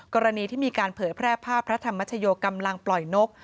กรณีที่มีการเผยแพร่ภาพพระธรรมชโยกำลังปล่อยนก